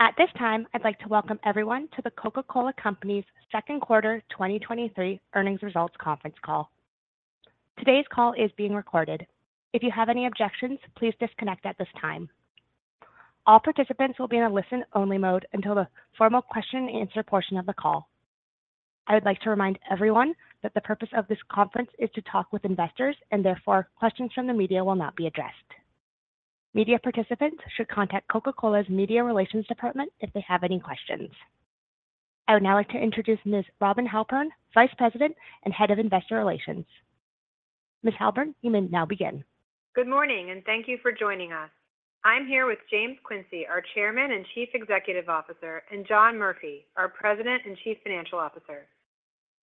At this time, I'd like to welcome everyone to The Coca-Cola Company's second quarter 2023 earnings results conference call. Today's call is being recorded. If you have any objections, please disconnect at this time. All participants will be in a listen-only mode until the formal question and answer portion of the call. I would like to remind everyone that the purpose of this conference is to talk with investors, and therefore, questions from the media will not be addressed. Media participants should contact Coca-Cola's Media Relations Department if they have any questions. I would now like to introduce Ms. Robin Halpern, Vice President and Head of Investor Relations. Ms. Halpern, you may now begin. Good morning, and thank you for joining us. I'm here with James Quincey, our Chairman and Chief Executive Officer, and John Murphy, our President and Chief Financial Officer.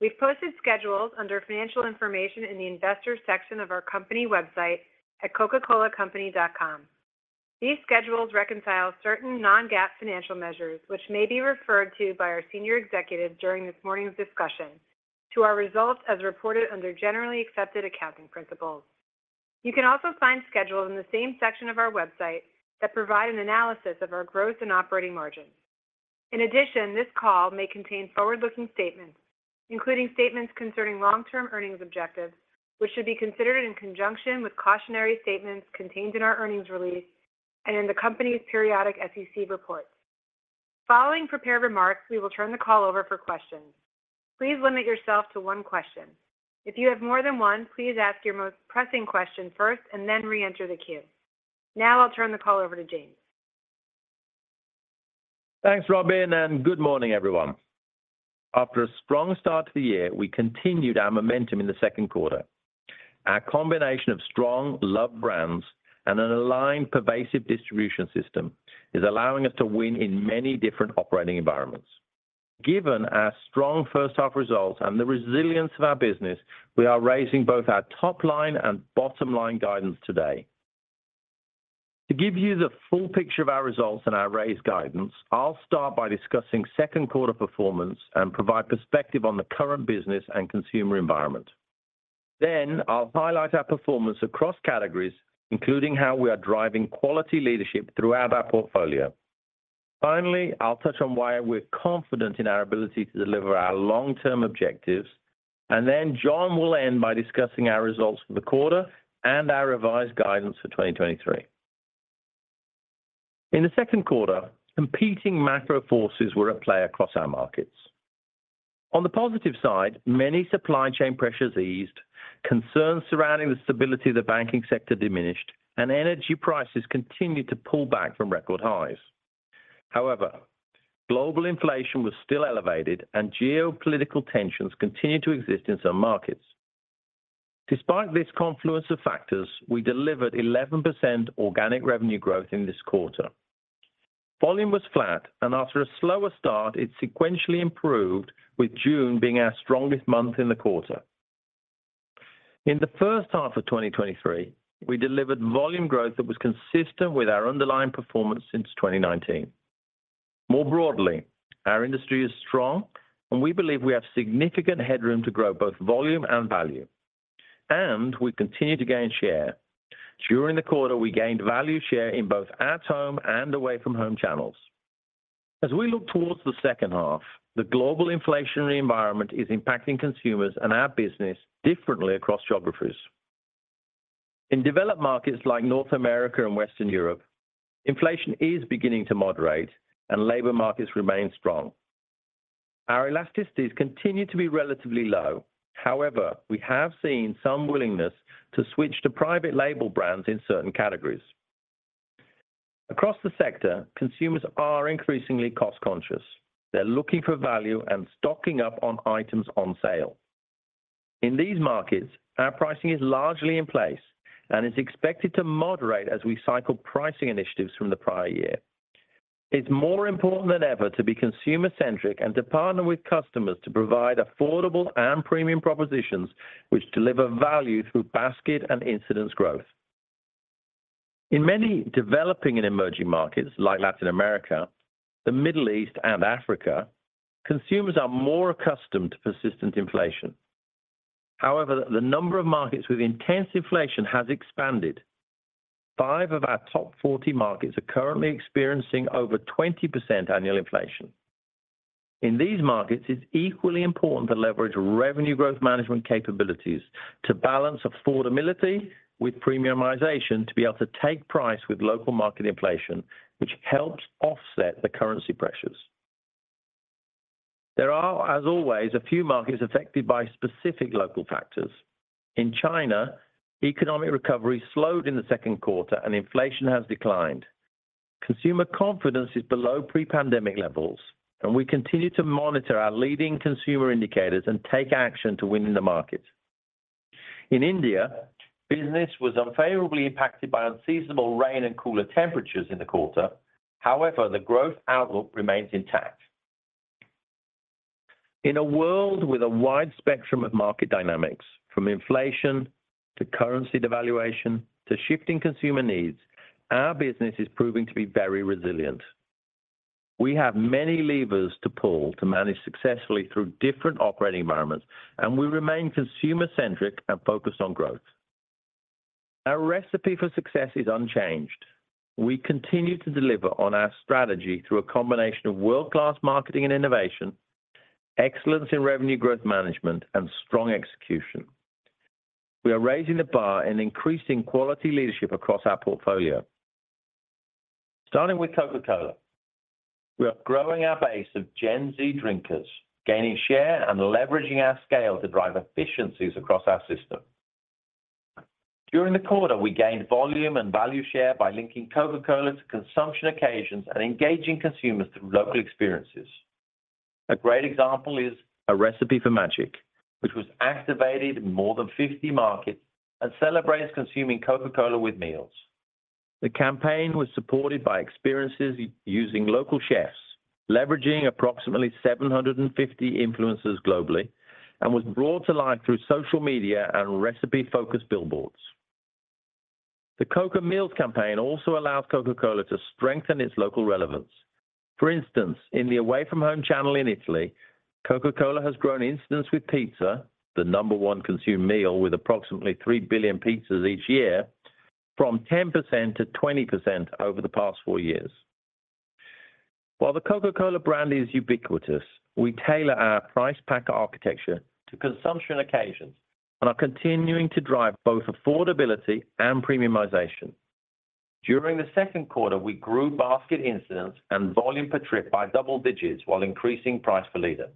We've posted schedules under Financial Information in the Investors section of our company website at cocacolacompany.com. These schedules reconcile certain non-GAAP financial measures, which may be referred to by our senior executives during this morning's discussion, to our results as reported under generally accepted accounting principles. You can also find schedules in the same section of our website that provide an analysis of our growth and operating margins. In addition, this call may contain forward-looking statements, including statements concerning long-term earnings objectives, which should be considered in conjunction with cautionary statements contained in our earnings release and in the company's periodic SEC reports. Following prepared remarks, we will turn the call over for questions. Please limit yourself to one question. If you have more than one, please ask your most pressing question first and then reenter the queue. I'll turn the call over to James. Thanks, Robin. Good morning, everyone. After a strong start to the year, we continued our momentum in the second quarter. Our combination of strong loved brands and an aligned, pervasive distribution system is allowing us to win in many different operating environments. Given our strong first half results and the resilience of our business, we are raising both our top line and bottom line guidance today. To give you the full picture of our results and our raised guidance, I'll start by discussing second quarter performance and provide perspective on the current business and consumer environment. I'll highlight our performance across categories, including how we are driving quality leadership throughout our portfolio. I'll touch on why we're confident in our ability to deliver our long-term objectives. John will end by discussing our results for the quarter and our revised guidance for 2023. In the second quarter, competing macro forces were at play across our markets. On the positive side, many supply chain pressures eased, concerns surrounding the stability of the banking sector diminished, and energy prices continued to pull back from record highs. Global inflation was still elevated and geopolitical tensions continued to exist in some markets. Despite this confluence of factors, we delivered 11% organic revenue growth in this quarter. Volume was flat, and after a slower start, it sequentially improved, with June being our strongest month in the quarter. In the first half of 2023, we delivered volume growth that was consistent with our underlying performance since 2019. More broadly, our industry is strong and we believe we have significant headroom to grow both volume and value, and we continue to gain share. During the quarter, we gained value share in both at home and away from home channels. As we look towards the second half, the global inflationary environment is impacting consumers and our business differently across geographies. In developed markets like North America and Western Europe, inflation is beginning to moderate and labor markets remain strong. Our elasticities continue to be relatively low. However, we have seen some willingness to switch to private label brands in certain categories. Across the sector, consumers are increasingly cost-conscious. They're looking for value and stocking up on items on sale. In these markets, our pricing is largely in place and is expected to moderate as we cycle pricing initiatives from the prior year. It's more important than ever to be consumer-centric and to partner with customers to provide affordable and premium propositions which deliver value through basket and incidence growth. In many developing and emerging markets like Latin America, the Middle East, and Africa, consumers are more accustomed to persistent inflation. However, the number of markets with intense inflation has expanded. Five of our Top 40 markets are currently experiencing over 20% annual inflation. In these markets, it's equally important to leverage revenue growth management capabilities to balance affordability with premiumization, to be able to take price with local market inflation, which helps offset the currency pressures. There are, as always, a few markets affected by specific local factors. In China, economic recovery slowed in the second quarter and inflation has declined. Consumer confidence is below pre-pandemic levels, and we continue to monitor our leading consumer indicators and take action to win in the market. In India, business was unfavorably impacted by unseasonable rain and cooler temperatures in the quarter. However, the growth outlook remains intact. In a world with a wide spectrum of market dynamics, from inflation to currency devaluation to shifting consumer needs, our business is proving to be very resilient. We have many levers to pull to manage successfully through different operating environments. We remain consumer-centric and focused on growth. Our recipe for success is unchanged. We continue to deliver on our strategy through a combination of world-class marketing and innovation, excellence in revenue growth management, and strong execution. We are raising the bar and increasing quality leadership across our portfolio. Starting with Coca-Cola, we are growing our base of Gen Z drinkers, gaining share and leveraging our scale to drive efficiencies across our system. During the quarter, we gained volume and value share by linking Coca-Cola to consumption occasions and engaging consumers through local experiences. A great example is A Recipe for Magic, which was activated in more than 50 markets and celebrates consuming Coca-Cola with meals. The campaign was supported by experiences using local chefs, leveraging approximately 750 influencers globally, and was brought to life through social media and recipe-focused billboards. The Coke Meals campaign also allows Coca-Cola to strengthen its local relevance. For instance, in the away-from-home channel in Italy, Coca-Cola has grown incidents with pizza, the number one consumed meal with approximately 3 billion pizzas each year, from 10% to 20% over the past four years. While the Coca-Cola brand is ubiquitous, we tailor our price pack architecture to consumption occasions and are continuing to drive both affordability and premiumization. During the second quarter, we grew basket incidents and volume per trip by double digits while increasing price per liter.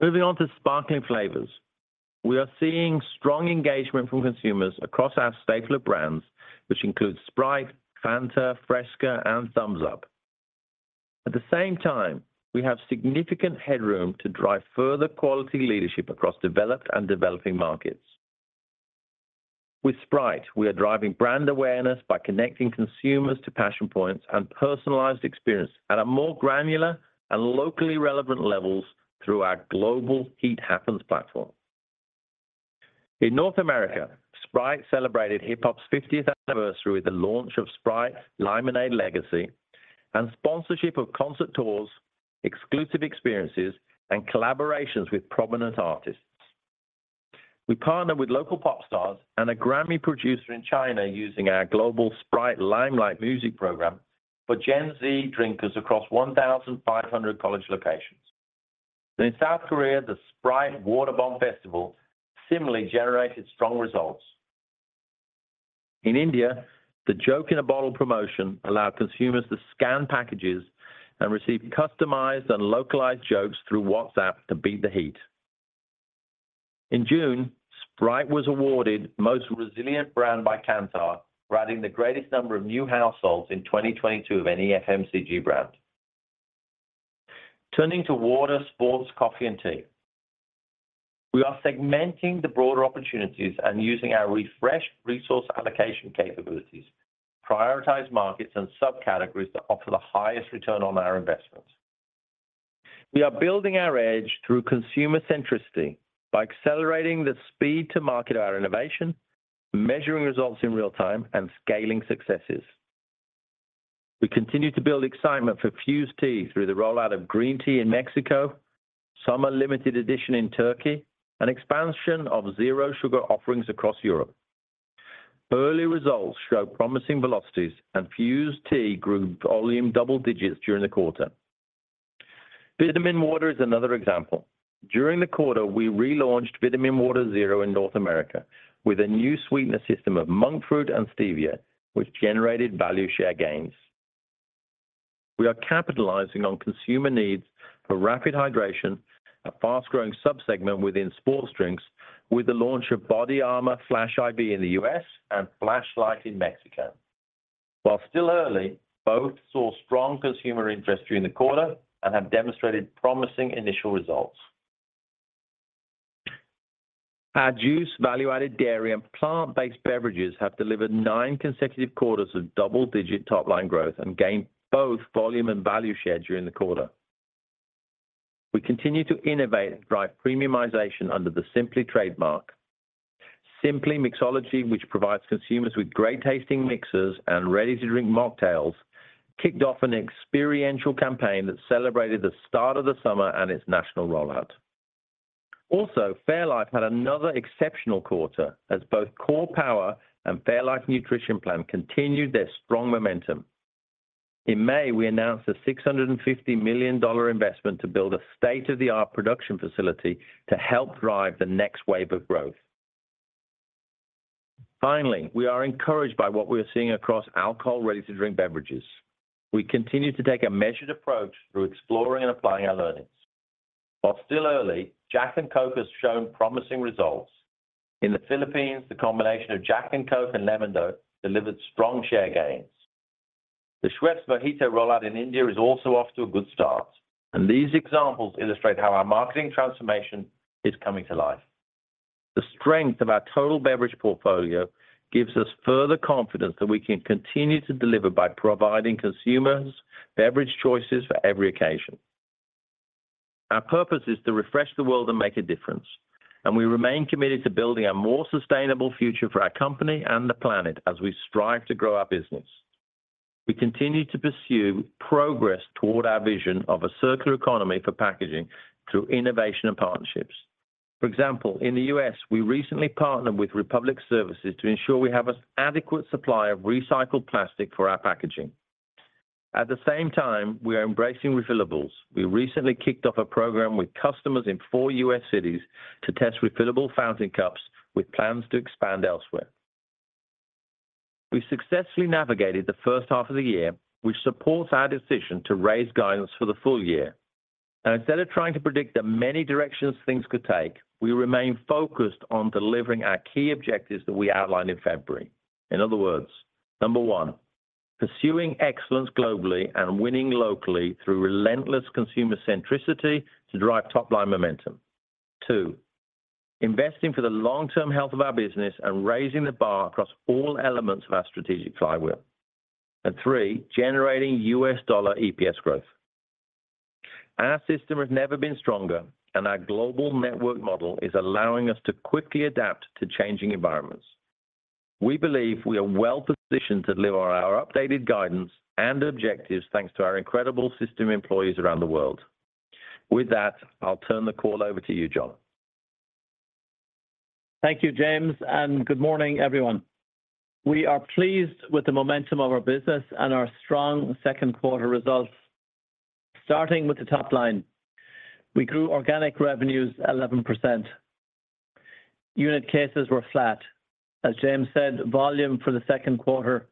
Moving on to sparkling flavors. We are seeing strong engagement from consumers across our stalwart brands, which include Sprite, Fanta, Fresca, and Thums Up. At the same time, we have significant headroom to drive further quality leadership across developed and developing markets. With Sprite, we are driving brand awareness by connecting consumers to passion points and personalized experience at a more granular and locally relevant levels through our global Heat Happens platform. In North America, Sprite celebrated hip-hop's 50th anniversary with the launch of Sprite Lymonade Legacy and sponsorship of concert tours, exclusive experiences, and collaborations with prominent artists. We partnered with local pop stars and a Grammy producer in China using our global Sprite Limelight music program for Gen Z drinkers across 1,500 college locations. In South Korea, the Sprite Waterbomb Festival similarly generated strong results. In India, the Joke In a Bottle promotion allowed consumers to scan packages and receive customized and localized jokes through WhatsApp to beat the heat. In June, Sprite was awarded Most Resilient Brand by Kantar, routing the greatest number of new households in 2022 of any FMCG brand. Turning to water, sports, coffee, and tea. We are segmenting the broader opportunities and using our refreshed resource allocation capabilities, prioritize markets and subcategories that offer the highest return on our investments. We are building our edge through consumer centricity by accelerating the speed to market our innovation, measuring results in real time, and scaling successes. We continue to build excitement for Fuze Tea through the rollout of green tea in Mexico, summer limited edition in Turkey, and expansion of zero sugar offerings across Europe. Early results show promising velocities and Fuze Tea grew volume double digits during the quarter. Vitaminwater is another example. During the quarter, we relaunched vitaminwater zero sugar in North America with a new sweetener system of monk fruit and stevia, which generated value share gains. We are capitalizing on consumer needs for rapid hydration, a fast-growing subsegment within sports drinks, with the launch of BODYARMOR Flash I.V. in the U.S. and Flashlyte in Mexico. While still early, both saw strong consumer interest during the quarter and have demonstrated promising initial results. Our juice value-added dairy and plant-based beverages have delivered nine consecutive quarters of double-digit top-line growth and gained both volume and value share during the quarter. We continue to innovate and drive premiumization under the Simply trademark. Simply Mixology, which provides consumers with great-tasting mixers and ready-to-drink mocktails, kicked off an experiential campaign that celebrated the start of the summer and its national rollout. Fairlife had another exceptional quarter, as both Core Power and fairlife Nutrition Plan continued their strong momentum. In May, we announced a $650 million investment to build a state-of-the-art production facility to help drive the next wave of growth. Finally, we are encouraged by what we are seeing across alcohol ready-to-drink beverages. We continue to take a measured approach through exploring and applying our learnings. While still early, Jack and Coke has shown promising results. In the Philippines, the combination of Jack and Coke and Lemon-Dou delivered strong share gains. The Schweppes Mint Mojito rollout in India is also off to a good start. These examples illustrate how our marketing transformation is coming to life. The strength of our total beverage portfolio gives us further confidence that we can continue to deliver by providing consumers beverage choices for every occasion. Our purpose is to refresh the world and make a difference. We remain committed to building a more sustainable future for our company and the planet as we strive to grow our business. We continue to pursue progress toward our vision of a circular economy for packaging through innovation and partnerships. For example, in the U.S., we recently partnered with Republic Services to ensure we have an adequate supply of recycled plastic for our packaging. At the same time, we are embracing refillables. We recently kicked off a program with customers in four U.S. cities to test refillable fountain cups, with plans to expand elsewhere. We successfully navigated the first half of the year, which supports our decision to raise guidance for the full year. Instead of trying to predict the many directions things could take, we remain focused on delivering our key objectives that we outlined in February. In other words, Number one, pursuing excellence globally and winning locally through relentless consumer centricity to drive top-line momentum. Number two, investing for the long-term health of our business and raising the bar across all elements of our strategic flywheel. Number three, generating U.S. dollar EPS growth. Our system has never been stronger, and our global network model is allowing us to quickly adapt to changing environments. We believe we are well positioned to deliver on our updated guidance and objectives, thanks to our incredible system employees around the world. With that, I'll turn the call over to you, John. Thank you, James, good morning, everyone. We are pleased with the momentum of our business and our strong second quarter results. Starting with the top line, we grew organic revenues 11%. Unit cases were flat. As James said, volume for the second quarter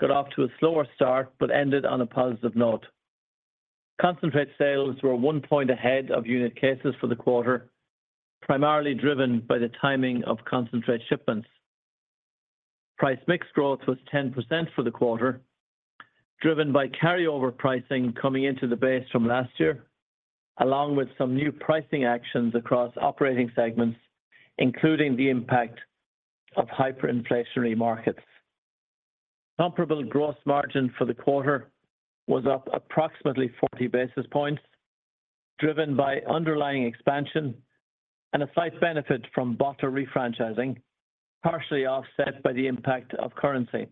got off to a slower start, but ended on a positive note. Concentrate sales were 1 point ahead of unit cases for the quarter, primarily driven by the timing of concentrate shipments. Price mix growth was 10% for the quarter, driven by carryover pricing coming into the base from last year, along with some new pricing actions across operating segments, including the impact of hyperinflationary markets. Comparable gross margin for the quarter was up approximately 40 basis points, driven by underlying expansion and a slight benefit from bottler refranchising, partially offset by the impact of currency.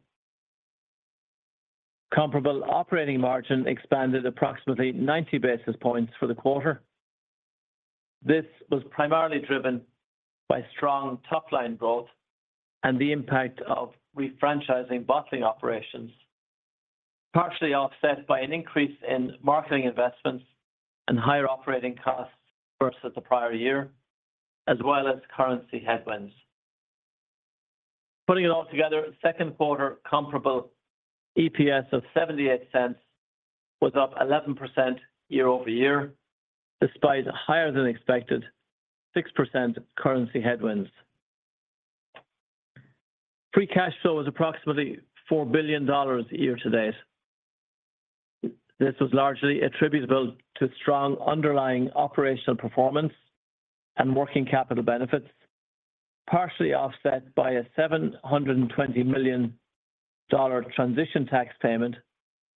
Comparable operating margin expanded approximately 90 basis points for the quarter. This was primarily driven by strong top-line growth and the impact of refranchising bottling operations, partially offset by an increase in marketing investments and higher operating costs versus the prior year, as well as currency headwinds. Putting it all together, second quarter comparable EPS of $0.78 was up 11% year-over-year, despite higher-than-expected 6% currency headwinds. Free cash flow is approximately $4 billion year to date. This was largely attributable to strong underlying operational performance and working capital benefits, partially offset by a $720 million transition tax payment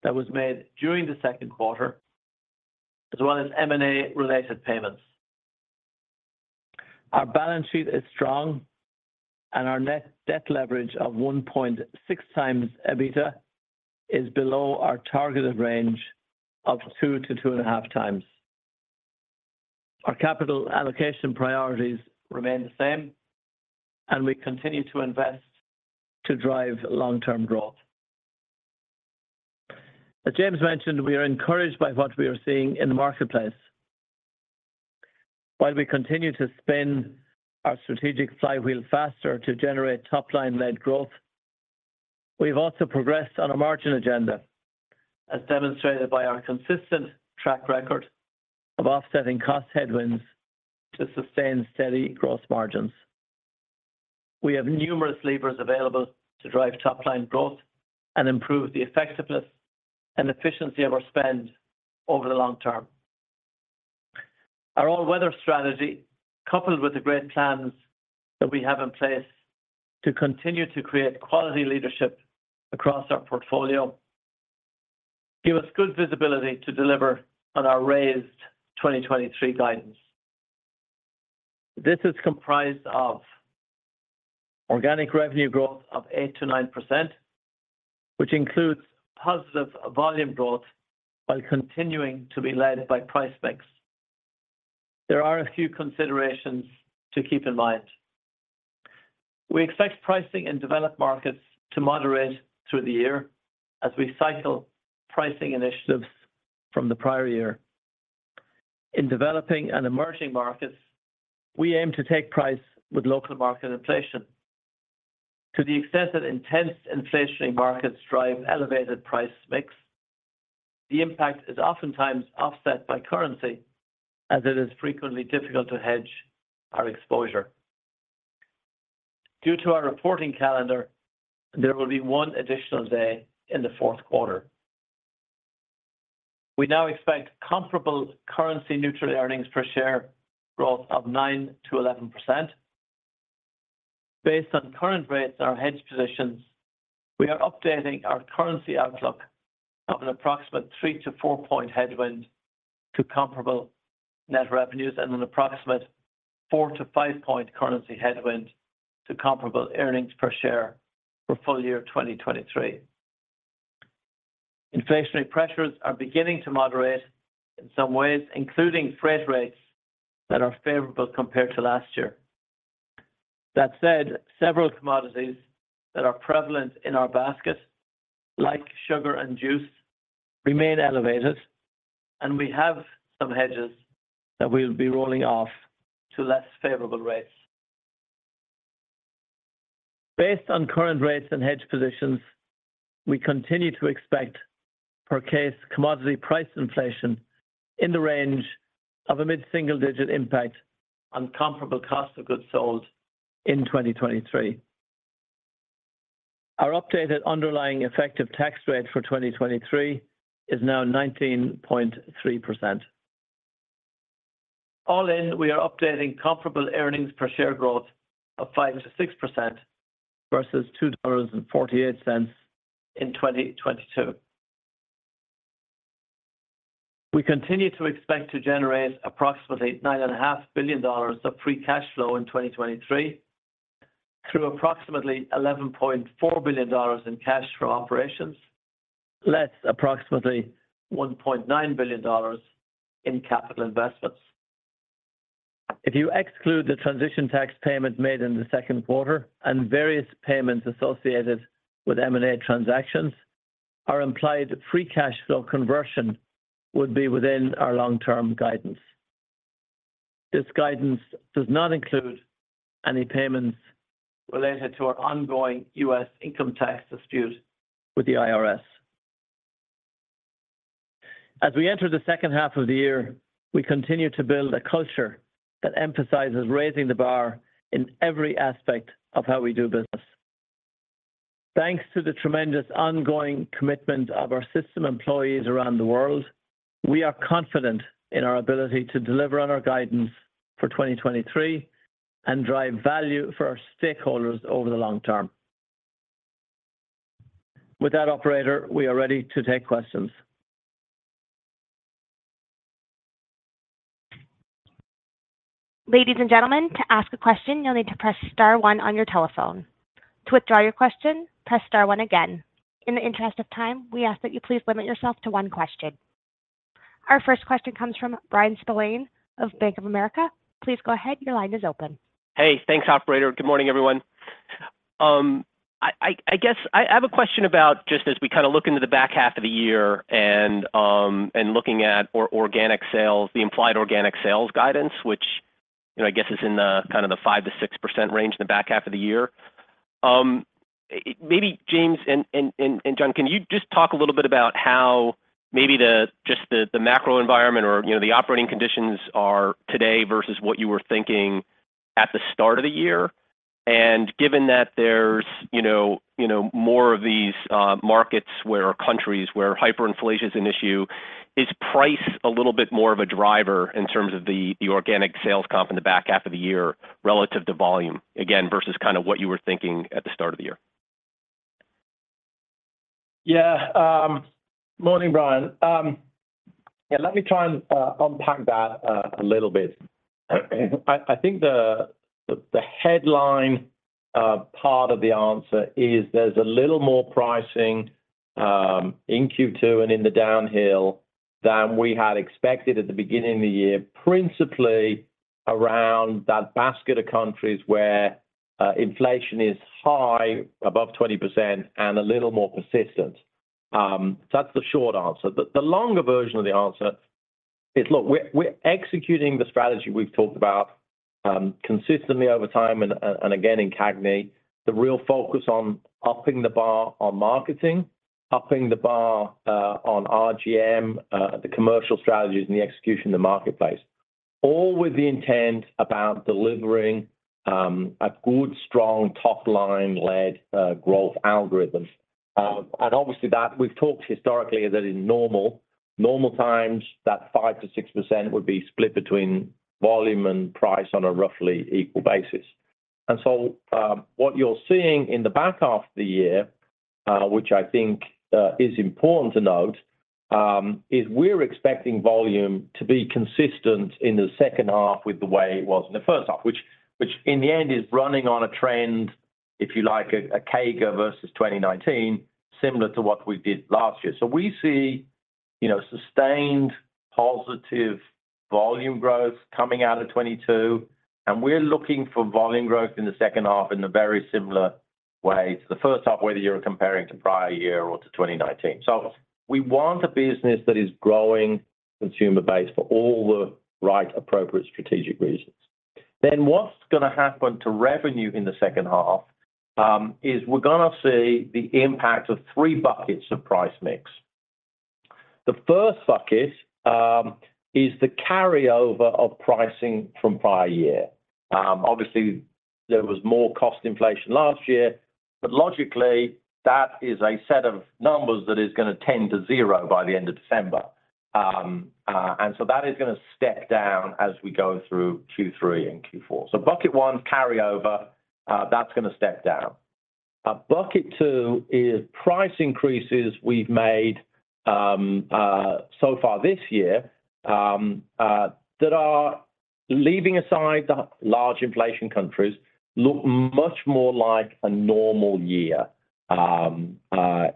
that was made during the second quarter, as well as M&A-related payments. Our balance sheet is strong and our net debt leverage of 1.6x EBITDA is below our targeted range of 2-2.5x. Our capital allocation priorities remain the same, and we continue to invest to drive long-term growth. As James mentioned, we are encouraged by what we are seeing in the marketplace. While we continue to spin our strategic flywheel faster to generate top-line-led growth, we've also progressed on a margin agenda, as demonstrated by our consistent track record of offsetting cost headwinds to sustain steady gross margins. We have numerous levers available to drive top-line growth and improve the effectiveness and efficiency of our spend over the long term. Our all-weather strategy, coupled with the great plans that we have in place to continue to create quality leadership across our portfolio, give us good visibility to deliver on our raised 2023 guidance. This is comprised of organic revenue growth of 8%-9%, which includes positive volume growth while continuing to be led by price mix. There are a few considerations to keep in mind. We expect pricing in developed markets to moderate through the year as we cycle pricing initiatives from the prior year. In developing and emerging markets, we aim to take price with local market inflation. To the extent that intense inflationary markets drive elevated price mix, the impact is oftentimes offset by currency, as it is frequently difficult to hedge our exposure. Due to our reporting calendar, there will be one additional day in the fourth quarter. We now expect comparable currency-neutral earnings per share growth of 9%-11%. Based on current rates and our hedge positions, we are updating our currency outlook of an approximate 3-4-point headwind.... to comparable net revenues and an approximate 4-5 point currency headwind to comparable earnings per share for full year 2023. Inflationary pressures are beginning to moderate in some ways, including freight rates that are favorable compared to last year. That said, several commodities that are prevalent in our basket, like sugar and juice, remain elevated, and we have some hedges that we'll be rolling off to less favorable rates. Based on current rates and hedge positions, we continue to expect per case commodity price inflation in the range of a mid-single-digit impact on comparable cost of goods sold in 2023. Our updated underlying effective tax rate for 2023 is now 19.3%. All in, we are updating comparable earnings per share growth of 5%-6% versus $2.48 in 2022. We continue to expect to generate approximately nine and a half billion dollars of free cash flow in 2023, through approximately $11.4 billion in cash from operations, less approximately $1.9 billion in capital investments. If you exclude the transition tax payment made in the second quarter and various payments associated with M&A transactions, our implied free cash flow conversion would be within our long-term guidance. This guidance does not include any payments related to our ongoing U.S. income tax dispute with the IRS. As we enter the second half of the year, we continue to build a culture that emphasizes raising the bar in every aspect of how we do business. Thanks to the tremendous ongoing commitment of our system employees around the world, we are confident in our ability to deliver on our guidance for 2023 and drive value for our stakeholders over the long term. With that, Operator, we are ready to take questions. Ladies and gentlemen, to ask a question, you'll need to press star one on your telephone. To withdraw your question, press star one again. In the interest of time, we ask that you please limit yourself to 1 question. Our first question comes from Bryan Spillane of Bank of America. Please go ahead. Your line is open. Hey, thanks, operator. Good morning, everyone. I guess I have a question about just as we kind of look into the back half of the year and looking at organic sales, the implied organic sales guidance, which, you know, I guess is in the kind of the 5%-6% range in the back half of the year. Maybe James and John, can you just talk a little bit about how maybe the macro environment or, you know, the operating conditions are today versus what you were thinking at the start of the year? Given that there's, you know, more of these markets where countries where hyperinflation is an issue, is price a little bit more of a driver in terms of the organic sales comp in the back half of the year relative to volume, again, versus kind of what you were thinking at the start of the year? Morning, Bryan. Let me try and unpack that a little bit. I think the headline part of the answer is there's a little more pricing in Q2 and in the downhill than we had expected at the beginning of the year, principally around that basket of countries where inflation is high, above 20%, and a little more persistent. That's the short answer. The longer version of the answer is, look, we're executing the strategy we've talked about consistently over time, and again, in CAGNY, the real focus on upping the bar on marketing, upping the bar on RGM, the commercial strategies and the execution in the marketplace, all with the intent about delivering a good, strong, top-line-led growth algorithm. Obviously that we've talked historically that in normal times, that 5%-6% would be split between volume and price on a roughly equal basis. What you're seeing in the back half of the year, which I think is important to note, is we're expecting volume to be consistent in the second half with the way it was in the first half, which in the end is running on a trend, if you like, a CAGR versus 2019, similar to what we did last year. We see sustained positive volume growth coming out of 2022, and we're looking for volume growth in the second half in a very similar way to the first half, whether you're comparing to prior year or to 2019. We want a business that is growing consumer base for all the right, appropriate strategic reasons. What's gonna happen to revenue in the second half, is we're gonna see the impact of 3 buckets of price mix. The first bucket, is the carryover of pricing from prior year. Obviously, there was more cost inflation last year, but logically that is a set of numbers that is gonna tend to zero by the end of December. That is gonna step down as we go through Q3 and Q4. Bucket 1, carryover, that's gonna step down. Bucket 2 is price increases we've made so far this year that are leaving aside the large inflation countries look much more like a normal year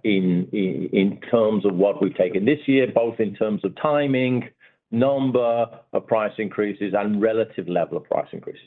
in terms of what we've taken this year, both in terms of timing, number of price increases, and relative level of price increases.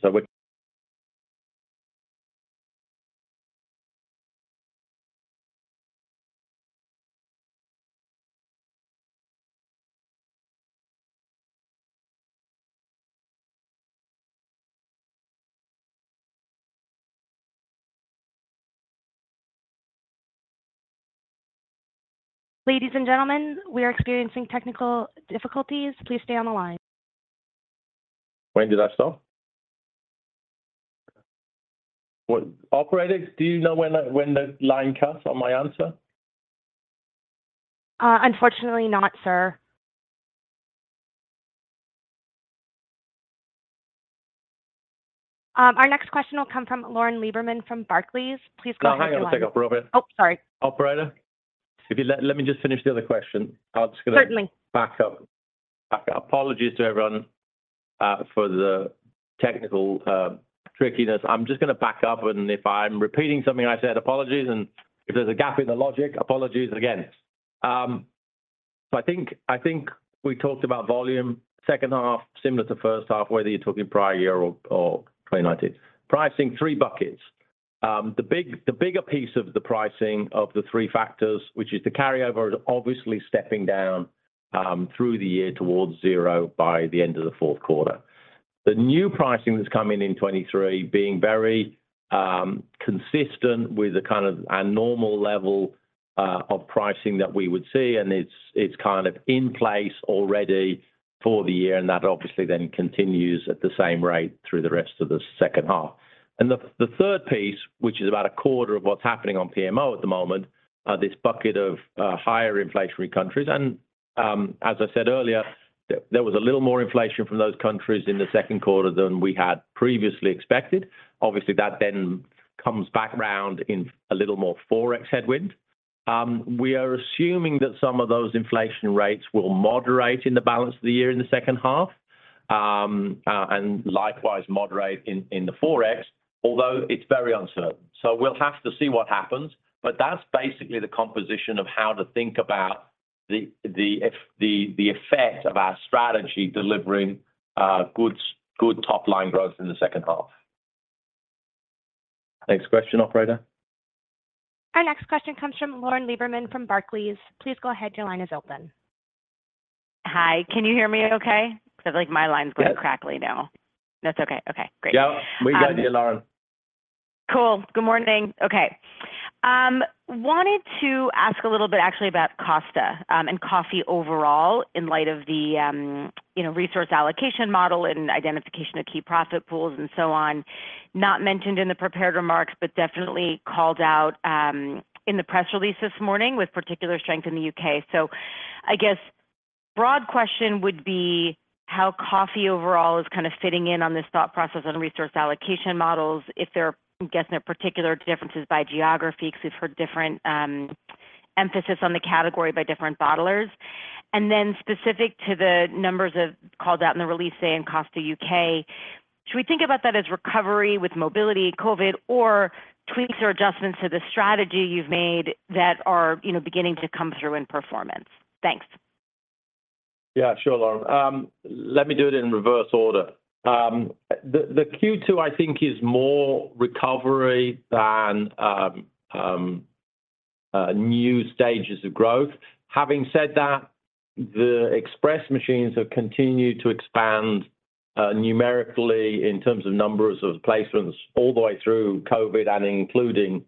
Ladies and gentlemen, we are experiencing technical difficulties. Please stay on the line. When did I stop? Operator, do you know when the line cut off my answer? Unfortunately not, sir. Our next question will come from Lauren Lieberman from Barclays. Please go ahead. No, hang on one second, Robert. Oh, sorry. Operator, Let me just finish the other question. Certainly... back up. Apologies to everyone for the technical trickiness. I'm just gonna back up, and if I'm repeating something I said, apologies, and if there's a gap in the logic, apologies again. So I think we talked about volume, second half, similar to first half, whether you're talking prior year or 2019. Pricing three buckets. The bigger piece of the pricing of the three factors, which is the carryover, is obviously stepping down through the year towards zero by the end of the fourth quarter. The new pricing that's coming in 2023 being very consistent with the kind of a normal level of pricing that we would see, and it's kind of in place already for the year, and that obviously then continues at the same rate through the rest of the second half. The third piece, which is about a quarter of what's happening on PMO at the moment, this bucket of higher inflationary countries. As I said earlier, there was a little more inflation from those countries in the second quarter than we had previously expected. Obviously, that then comes back round in a little more Forex headwind. We are assuming that some of those inflation rates will moderate in the balance of the year in the second half, and likewise moderate in the Forex, although it's very uncertain. We'll have to see what happens, but that's basically the composition of how to think about the effect of our strategy delivering good top-line growth in the second half. Next question, operator. Our next question comes from Lauren Lieberman from Barclays. Please go ahead. Your line is open. Hi, can you hear me okay? Because, like, my. Yes going crackly now. That's okay. Okay, great. Yeah, we got you, Lauren. Cool. Good morning. Okay, wanted to ask a little bit actually about Costa and coffee overall, in light of the, you know, resource allocation model and identification of key profit pools and so on. Not mentioned in the prepared remarks, but definitely called out in the press release this morning with particular strength in the U.K. I guess broad question would be, how coffee overall is kind of fitting in on this thought process and resource allocation models, if they're getting their particular differences by geography, because we've heard different emphasis on the category by different bottlers. Then specific to the numbers of called out in the release, say, in Costa U.K., should we think about that as recovery with mobility and COVID or tweaks or adjustments to the strategy you've made that are, you know, beginning to come through in performance? Thanks. Yeah, sure, Lauren. Let me do it in reverse order. The Q2, I think, is more recovery than new stages of growth. Having said that, the Express machines have continued to expand numerically in terms of numbers of placements all the way through COVID and including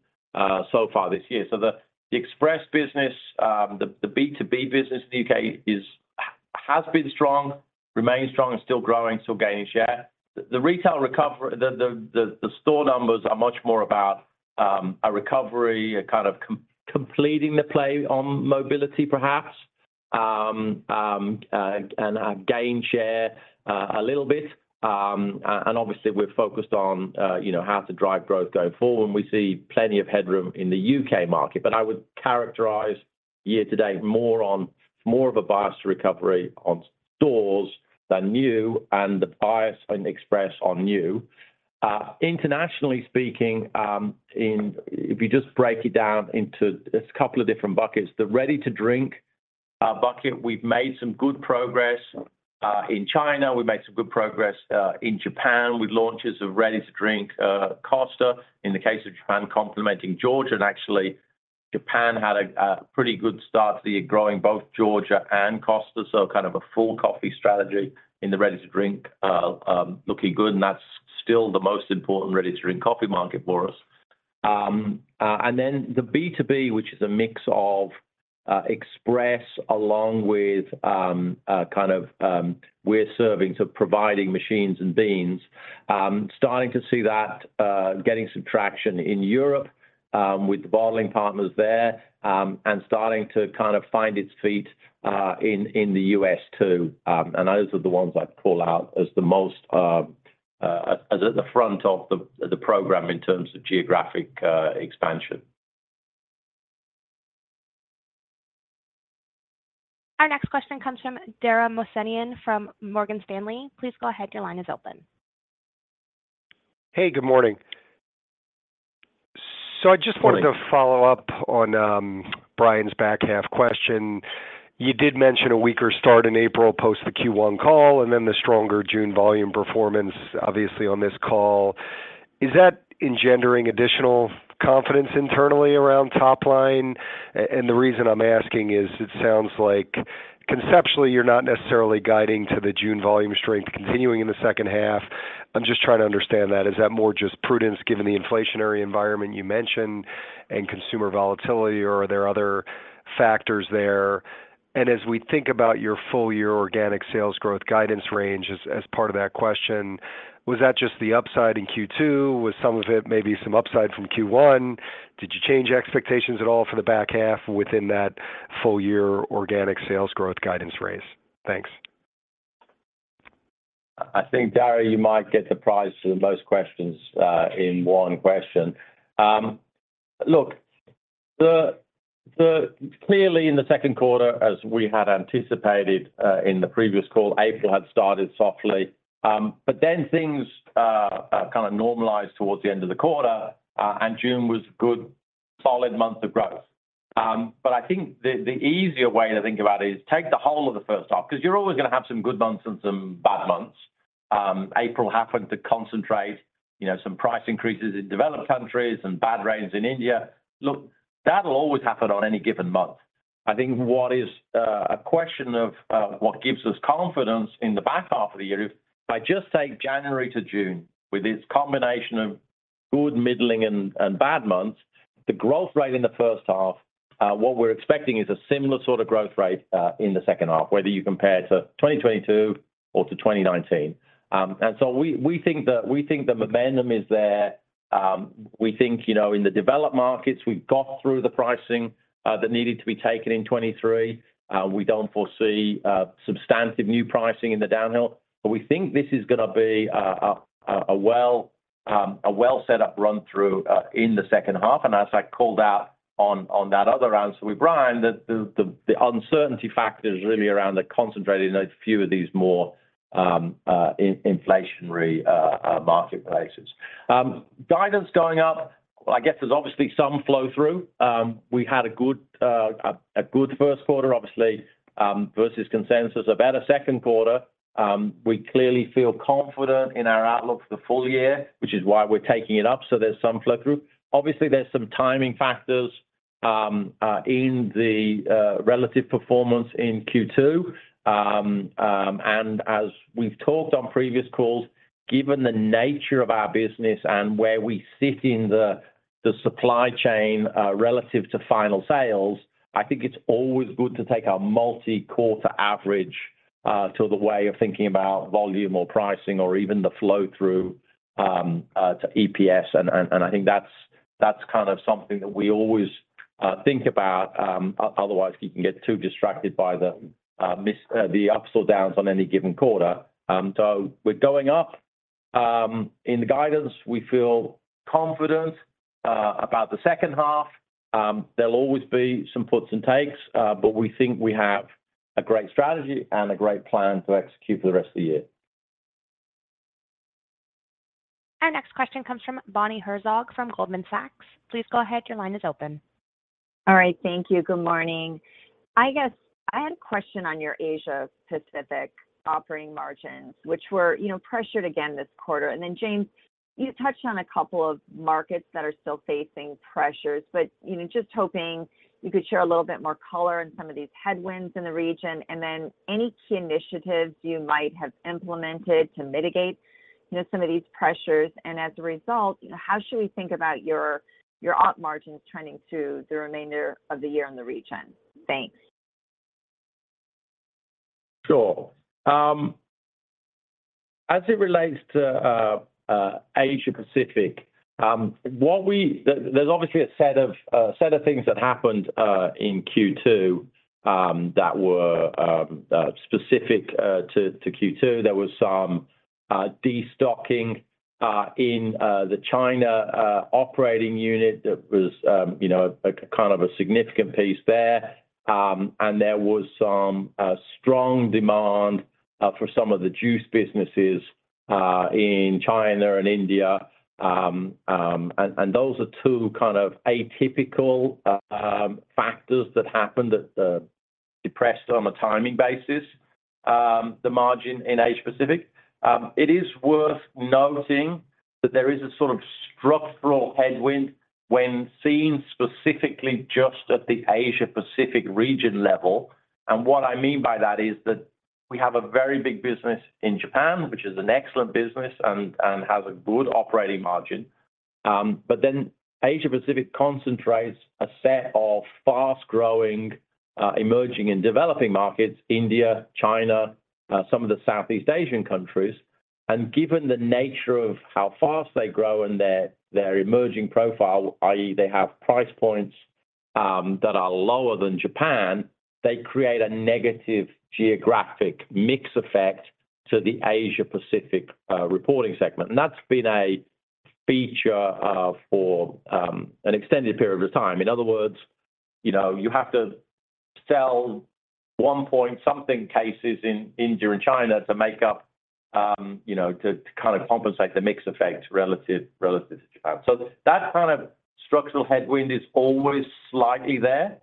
so far this year. The Express business, the B2B business in the U.K. has been strong, remains strong, and still growing, still gaining share. The retail recovery, the store numbers are much more about a recovery, a kind of completing the play on mobility, perhaps, and gain share a little bit. Obviously, we're focused on, you know, how to drive growth going forward, and we see plenty of headroom in the UK market. I would characterize year to date more of a bias recovery on stores than new and the bias on Express on new. Internationally speaking, If you just break it down into this couple of different buckets, the ready to drink bucket, we've made some good progress in China. We've made some good progress in Japan, with launches of ready to drink Costa, in the case of Japan, complementing Georgia. Actually, Japan had a pretty good start to the year, growing both Georgia and Costa, so kind of a full coffee strategy in the ready to drink, looking good, and that's still the most important ready to drink coffee market for us. The B2B, which is a mix of Express along with kind of we're serving, so providing machines and beans, starting to see that getting some traction in Europe with the bottling partners there, and starting to kind of find its feet in the U.S., too. Those are the ones I'd call out as the most as at the front of the program in terms of geographic expansion. Our next question comes from Dara Mohsenian from Morgan Stanley. Please go ahead. Your line is open. Hey, good morning. I just wanted- Morning... to follow up on, Bryan's back half question. You did mention a weaker start in April, post the Q1 call, and then the stronger June volume performance obviously on this call. Is that engendering additional confidence internally around top line? The reason I'm asking is, it sounds like conceptually, you're not necessarily guiding to the June volume strength continuing in the second half. I'm just trying to understand that. Is that more just prudence, given the inflationary environment you mentioned and consumer volatility, or are there other factors there? As we think about your full-year organic sales growth guidance range, as part of that question, was that just the upside in Q2? Was some of it maybe some upside from Q1? Did you change expectations at all for the back half within that full-year organic sales growth guidance range? Thanks. I think, Dara, you might get the prize to the most questions, in one question. Look, clearly in the second quarter, as we had anticipated, in the previous call, April had started softly. Things kind of normalized towards the end of the quarter, and June was a good, solid month of growth. I think the easier way to think about it is take the whole of the first half, 'cause you're always gonna have some good months and some bad months. April happened to concentrate, you know, some price increases in developed countries and bad rains in India. Look, that'll always happen on any given month. I think what is what gives us confidence in the back half of the year, if I just take January to June, with its combination of good, middling, and bad months, the growth rate in the first half, what we're expecting is a similar sort of growth rate in the second half, whether you compare to 2022 or to 2019. So we think the momentum is there. We think, you know, in the developed markets, we've got through the pricing that needed to be taken in 2023. We don't foresee substantive new pricing in the downhill, but we think this is gonna be a well set up run-through in the second half. As I called out on that other answer with Bryan, the uncertainty factor is really around the concentrated in a few of these more inflationary marketplaces. Guidance going up, I guess there's obviously some flow-through. We had a good first quarter, obviously, versus consensus, a better second quarter. We clearly feel confident in our outlook for the full year, which is why we're taking it up, so there's some flow-through. Obviously, there's some timing factors in the relative performance in Q2. As we've talked on previous calls, given the nature of our business and where we sit in the supply chain relative to final sales, I think it's always good to take a multi-quarter average to the way of thinking about volume or pricing or even the flow-through to EPS. I think that's kind of something that we always think about. Otherwise, you can get too distracted by the ups or downs on any given quarter. We're going up in the guidance. We feel confident about the second half. There'll always be some puts and takes, but we think we have a great strategy and a great plan to execute for the rest of the year. Our next question comes from Bonnie Herzog, from Goldman Sachs. Please go ahead. Your line is open. All right, thank you. Good morning. I guess I had a question on your Asia Pacific operating margins, which were, you know, pressured again this quarter. James, you touched on a couple of markets that are still facing pressures, but, you know, just hoping you could share a little bit more color on some of these headwinds in the region. Any key initiatives you might have implemented to mitigate, you know, some of these pressures. As a result, you know, how should we think about your op margins turning to the remainder of the year in the region? Thanks. Sure. As it relates to Asia Pacific, there's obviously a set of things that happened in Q2 that were specific to Q2. There was some destocking in the China operating unit that was, you know, a kind of a significant piece there. There was some strong demand for some of the juice businesses in China and India. Those are two kind of atypical factors that happened that depressed on the timing basis the margin in Asia Pacific. It is worth noting that there is a sort of structural headwind when seen specifically just at the Asia Pacific region level. What I mean by that is that we have a very big business in Japan, which is an excellent business and has a good operating margin. Asia Pacific concentrates a set of fast-growing, emerging and developing markets: India, China, some of the Southeast Asian countries. Given the nature of how fast they grow and their emerging profile, i.e., they have price points that are lower than Japan, they create a negative geographic mix effect to the Asia Pacific reporting segment. That's been a feature for an extended period of time. In other words, you know, you have to sell one point something cases in India and China to make up, you know, to kind of compensate the mix effect relative to Japan. That kind of structural headwind is always slightly there.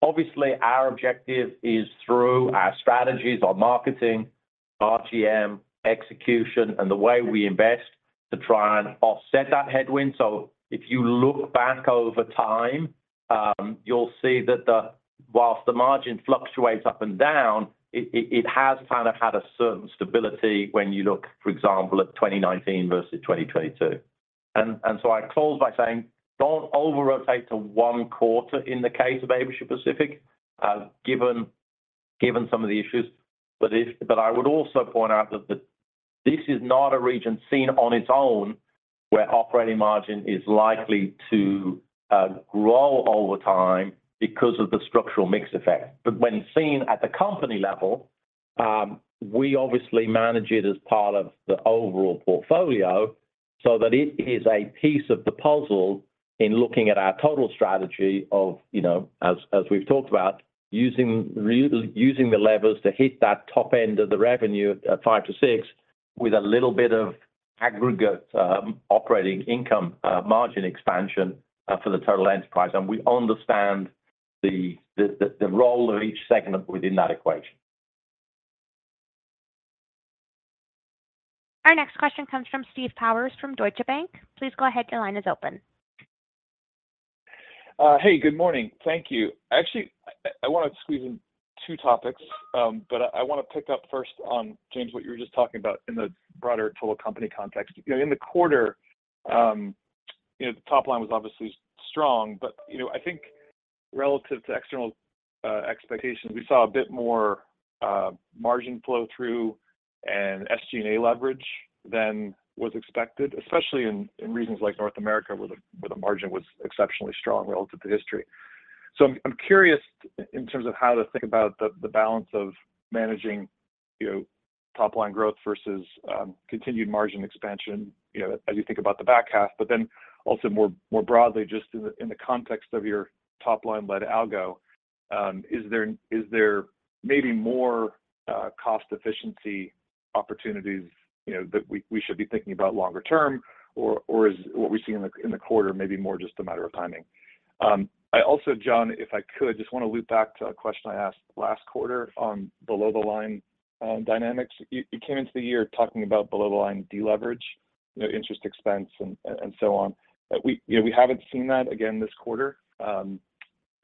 Obviously, our objective is through our strategies on marketing, RGM, execution, and the way we invest to try and offset that headwind. If you look back over time, you'll see that whilst the margin fluctuates up and down, it, it has kind of had a certain stability when you look, for example, at 2019 versus 2022. I close by saying, don't over rotate to 1 quarter in the case of Asia Pacific, given some of the issues. I would also point out that this is not a region seen on its own, where operating margin is likely to grow over time because of the structural mix effect. When seen at the company level, we obviously manage it as part of the overall portfolio, so that it is a piece of the puzzle in looking at our total strategy of, you know, we've talked about, using the levers to hit that top end of the revenue at 5%-6%, with a little bit of aggregate operating income margin expansion for the total enterprise. We understand the role of each segment within that equation. Our next question comes from Steve Powers from Deutsche Bank. Please go ahead, your line is open. Hey, good morning. Thank you. Actually, I wanna squeeze in two topics. I wanna pick up first on, James, what you were just talking about in the broader total company context. You know, in the quarter, you know, the top line was obviously strong. You know, I think relative to external expectations, we saw a bit more margin flow through and SG&A leverage than was expected, especially in regions like North America, where the margin was exceptionally strong relative to history. I'm curious in terms of how to think about the balance of managing, you know, top line growth versus continued margin expansion, you know, as you think about the back half. Also more broadly, just in the context of your top line-led algo, is there maybe more cost efficiency opportunities, you know, that we should be thinking about longer term, or is what we see in the quarter maybe more just a matter of timing? I also, John, if I could, just wanna loop back to a question I asked last quarter on below-the-line dynamics. You came into the year talking about below-the-line deleverage, you know, interest expense and so on. You know, we haven't seen that again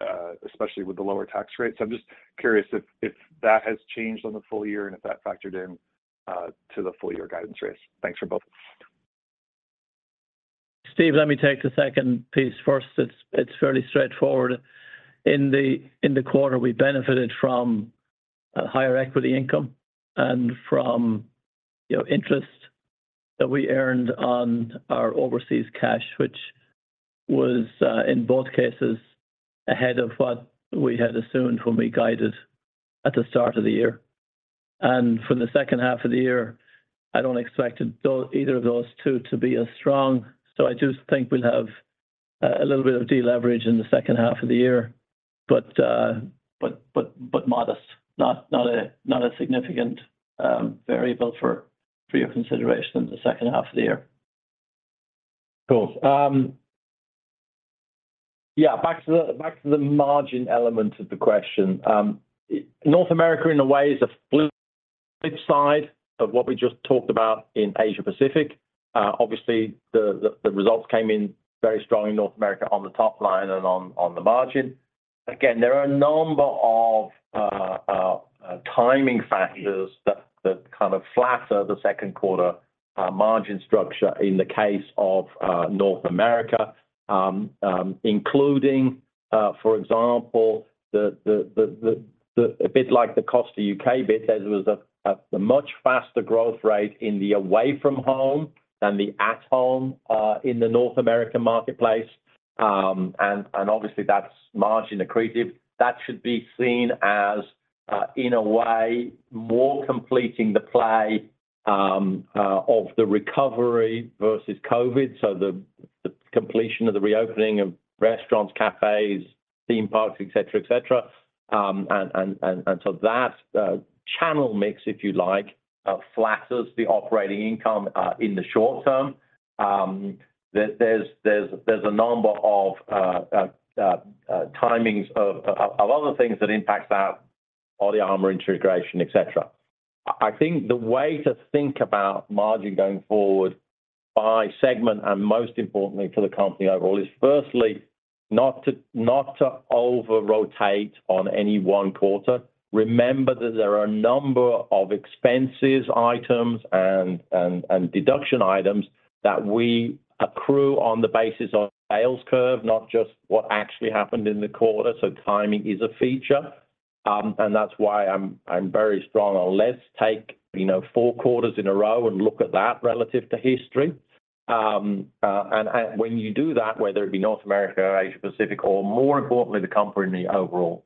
this quarter, especially with the lower tax rate. I'm just curious if that has changed on the full year and if that factored in to the full year guidance raise. Thanks for both. Steve, let me take the second piece first. It's fairly straightforward. In the quarter, we benefited from a higher equity income and from, you know, interest that we earned on our overseas cash, which was in both cases, ahead of what we had assumed when we guided at the start of the year. For the second half of the year, I don't expect those, either of those 2 to be as strong. I do think we'll have a little bit of deleverage in the second half of the year. But modest, not a significant variable for your consideration in the second half of the year. Cool. Yeah, back to the margin element of the question. North America, in a way, is a flip side of what we just talked about in Asia Pacific. Obviously, the results came in very strong in North America on the top line and on the margin. Again, there are a number of timing factors that kind of flatter the second quarter margin structure in the case of North America. Including, for example, a bit like the Costa UK bit, as it was a much faster growth rate in the away from home than the at home in the North American marketplace. Obviously, that's margin accretive. That should be seen as in a way, more completing the play of the recovery versus COVID. The completion of the reopening of restaurants, cafes, theme parks, et cetera, et cetera. That channel mix, if you like, flatters the operating income in the short term. There's a number of timings of other things that impact that BODYARMOR integration, et cetera. I think the way to think about margin going forward by segment, and most importantly for the company overall, is firstly, not to over-rotate on any one quarter. Remember that there are a number of expenses, items, and deduction items that we accrue on the basis of sales curve, not just what actually happened in the quarter. Timing is a feature, and that's why I'm very strong on let's take, you know, four quarters in a row and look at that relative to history. When you do that, whether it be North America or Asia Pacific, or more importantly, the company overall,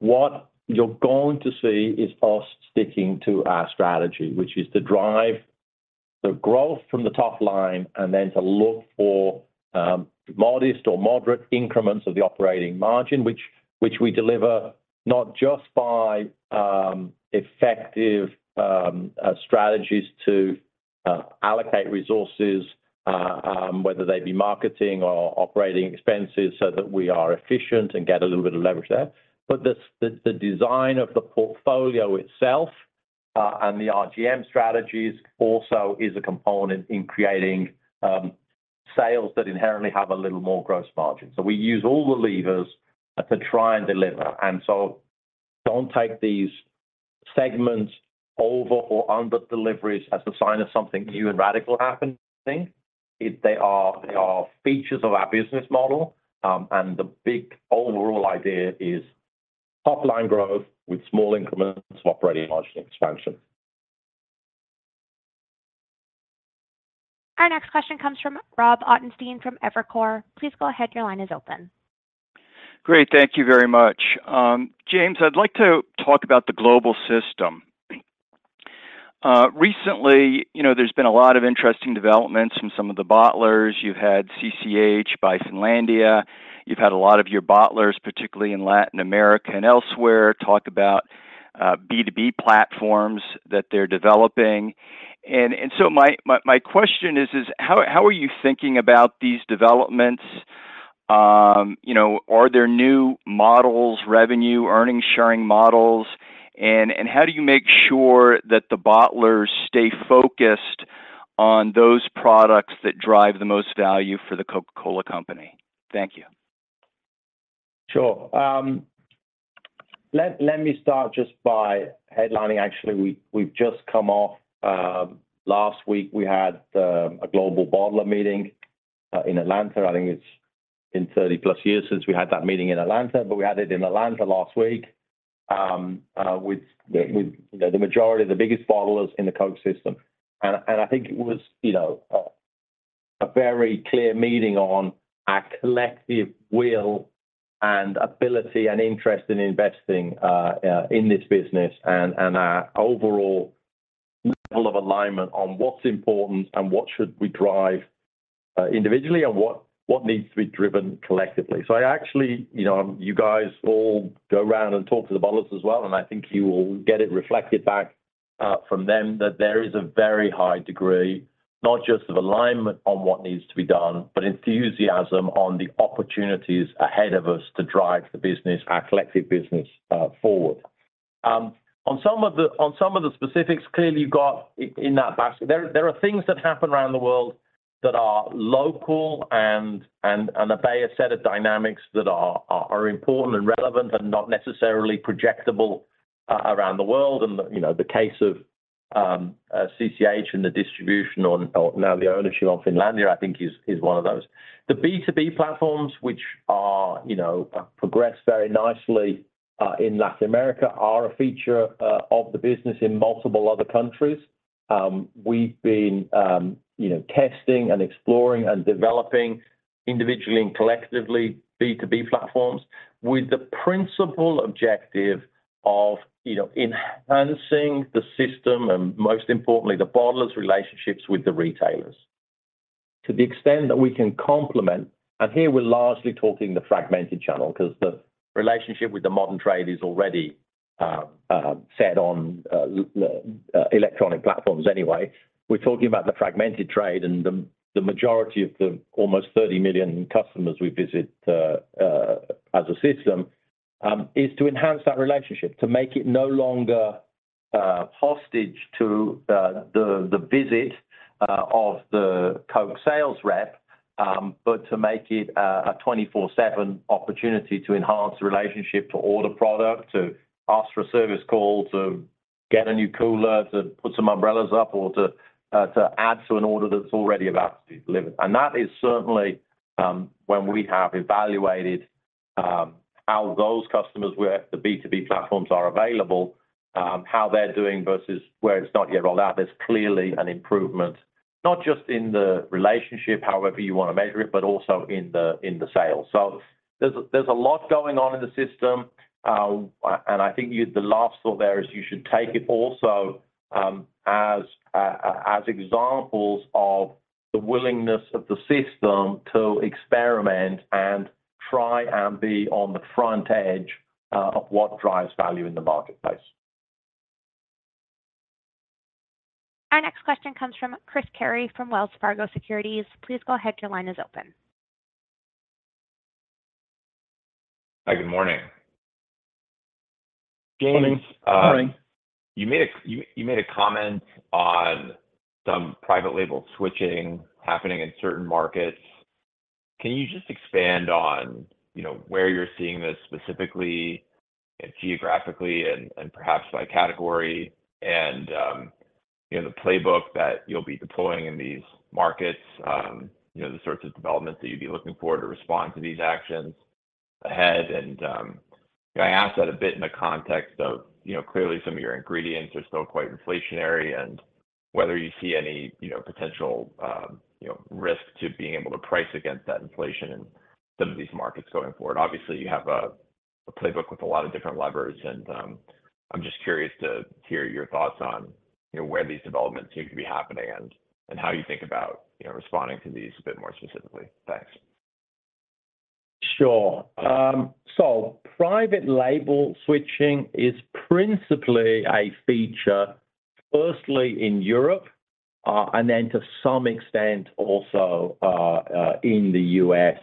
what you're going to see is us sticking to our strategy, which is to drive the growth from the top line and then to look for, modest or moderate increments of the operating margin, which we deliver not just by effective strategies to allocate resources, whether they be marketing or operating expenses, so that we are efficient and get a little bit of leverage there. The design of the portfolio itself, and the RGM strategies also is a component in creating sales that inherently have a little more gross margin. We use all the levers to try and deliver. Don't take these segments over or under deliveries as a sign of something new and radical happening. They are features of our business model, and the big overall idea is top-line growth with small increments of operating margin expansion. Our next question comes from Rob Ottenstein from Evercore. Please go ahead. Your line is open. Great. Thank you very much. James, I'd like to talk about the global system. Recently, you know, there's been a lot of interesting developments from some of the bottlers. You've had Coca-Cola HBC buy Finlandia. You've had a lot of your bottlers, particularly in Latin America and elsewhere, talk about B2B platforms that they're developing. So my question is how are you thinking about these developments? You know, are there new models, revenue, earnings, sharing models? How do you make sure that the bottlers stay focused on those products that drive the most value for The Coca-Cola Company? Thank you. Sure. Let me start just by headlining. Actually, we've just come off last week, we had a global bottler meeting in Atlanta. I think it's been 30+ years since we had that meeting in Atlanta, but we had it in Atlanta last week, with, you know, the majority of the biggest bottlers in the Coke system. I think it was, you know, a very clear meeting on our collective will and ability and interest in investing in this business, and our overall level of alignment on what's important and what should we drive individually and what needs to be driven collectively. I actually, you know, you guys all go around and talk to the bottlers as well, and I think you will get it reflected back from them that there is a very high degree, not just of alignment on what needs to be done, but enthusiasm on the opportunities ahead of us to drive the business, our collective business forward. On some of the specifics, clearly, you've got in that basket, there are things that happen around the world that are local and they are a set of dynamics that are important and relevant, but not necessarily projectable around the world. You know, the case of Coca-Cola HBC and the distribution on, or now the ownership of Finlandia, I think is one of those. The B2B platforms, which are, you know, progressed very nicely, in Latin America, are a feature of the business in multiple other countries. We've been, you know, testing and exploring and developing individually and collectively B2B platforms with the principal objective of, you know, enhancing the system and most importantly, the bottlers' relationships with the retailers. To the extent that we can complement, and here we're largely talking the fragmented channel, because the relationship with the modern trade is already set on electronic platforms anyway. We're talking about the fragmented trade and the majority of the almost 30 million customers we visit as a system is to enhance that relationship, to make it no longer hostage to the visit of the Coke sales rep, but to make it a 24/7 opportunity to enhance the relationship, to order product, to ask for a service call, to get a new cooler, to put some umbrellas up or to add to an order that's already about to be delivered. And that is certainly when we have evaluated how those customers, where the B2B platforms are available, how they're doing versus where it's not yet rolled out. There's clearly an improvement, not just in the relationship, however you want to measure it, but also in the sales. There's, there's a lot going on in the system. I think you should take it also, as examples of the willingness of the system to experiment and try and be on the front edge, of what drives value in the marketplace. Our next question comes from Chris Carey from Wells Fargo Securities. Please go ahead. Your line is open. Hi, good morning. Good morning. Morning. James, you made a comment on some private label switching happening in certain markets. Can you just expand on, you know, where you're seeing this specifically and geographically and perhaps by category, and, you know, the playbook that you'll be deploying in these markets, you know, the sorts of developments that you'd be looking for to respond to these actions? Ahead. I ask that a bit in the context of, you know, clearly some of your ingredients are still quite inflationary, and whether you see any, you know, potential, you know, risk to being able to price against that inflation in some of these markets going forward. Obviously, you have a playbook with a lot of different levers, and I'm just curious to hear your thoughts on, you know, where these developments seem to be happening and how you think about, you know, responding to these a bit more specifically. Thanks. Sure. Private label switching is principally a feature, firstly in Europe, and then to some extent also in the U.S.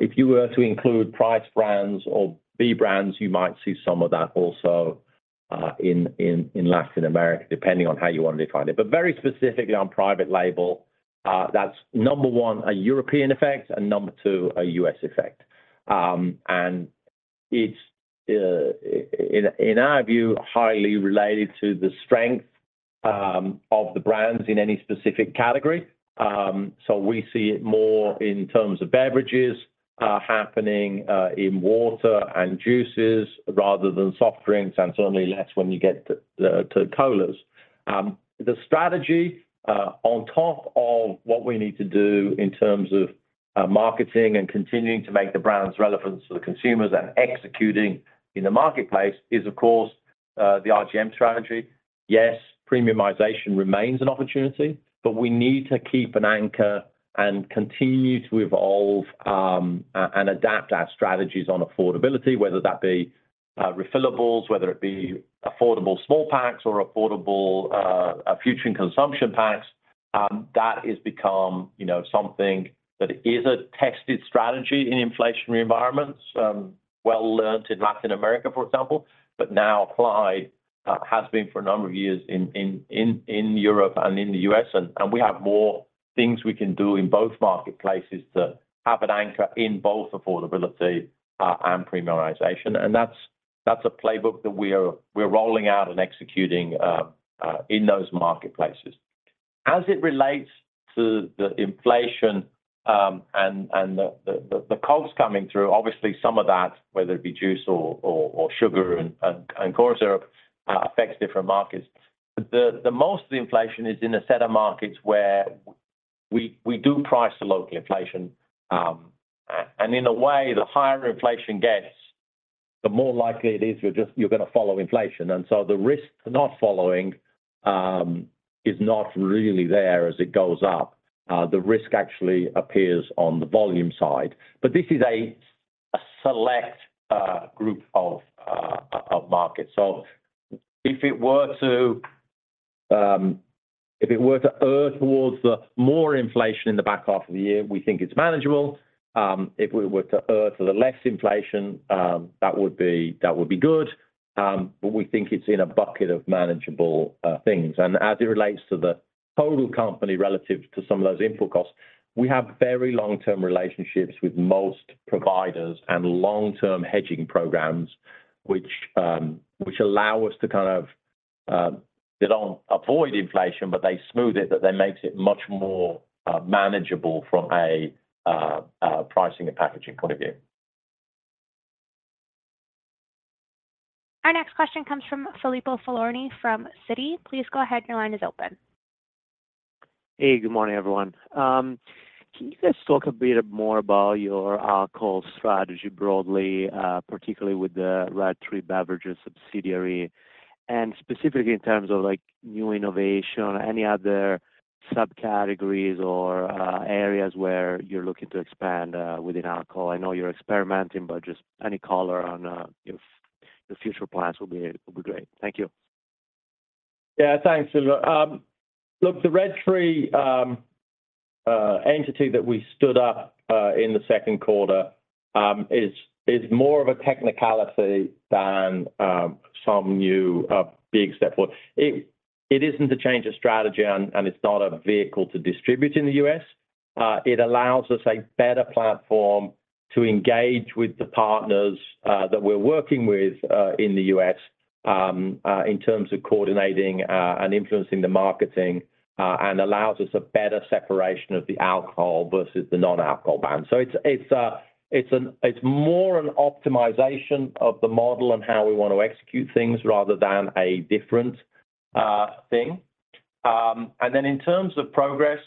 If you were to include price brands or B brands, you might see some of that also in Latin America, depending on how you want to define it. Very specifically on private label, that's number one, a European effect, and number two, a U.S. effect. It's in our view, highly related to the strength of the brands in any specific category. We see it more in terms of beverages, happening in water and juices rather than soft drinks, and certainly less when you get to colas. The strategy on top of what we need to do in terms of marketing and continuing to make the brands relevant to the consumers and executing in the marketplace is, of course, the RGM strategy. Premiumization remains an opportunity, but we need to keep an anchor and continue to evolve and adapt our strategies on affordability, whether that be refillables, whether it be affordable small packs or affordable future consumption packs. That has become, you know, something that is a tested strategy in inflationary environments, well learned in Latin America, for example, but now applied has been for a number of years in Europe and in the US. We have more things we can do in both marketplaces to have an anchor in both affordability and premiumization. That's a playbook that we're rolling out and executing in those marketplaces. As it relates to the inflation, and the costs coming through, obviously, some of that, whether it be juice or sugar and corn syrup, affects different markets. The most of the inflation is in a set of markets where we do price to local inflation. In a way, the higher inflation gets, the more likely it is you're gonna follow inflation. The risk of not following is not really there as it goes up. The risk actually appears on the volume side, but this is a select group of markets. If it were to, if it were to earth towards the more inflation in the back half of the year, we think it's manageable. If it were to earth to the less inflation, that would be good. We think it's in a bucket of manageable things. As it relates to the total company, relative to some of those input costs, we have very long-term relationships with most providers and long-term hedging programs, which allow us to kind of, they don't avoid inflation, but they smooth it, that then makes it much more manageable from a pricing and packaging point of view. Our next question comes from Filippo Falorni from Citi. Please go ahead. Your line is open. Hey, good morning, everyone. Can you just talk a bit more about your call strategy broadly, particularly with the Red Tree Beverages subsidiary, and specifically in terms of, like, new innovation, any other subcategories or areas where you're looking to expand within alcohol? I know you're experimenting, but just any color on your future plans will be great. Thank you. Yeah, thanks, Filippo. Look, the Red Tree entity that we stood up in the second quarter is more of a technicality than some new big step forward. It isn't a change of strategy and it's not a vehicle to distribute in the U.S. It allows us a better platform to engage with the partners that we're working with in the U.S. in terms of coordinating and influencing the marketing and allows us a better separation of the alcohol versus the non-alcohol brand. It's more an optimization of the model and how we want to execute things rather than a different thing. In terms of progress,